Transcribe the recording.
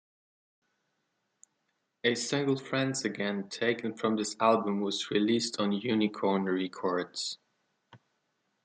A single "Friends Again" taken from this album was released on Unicorn Records.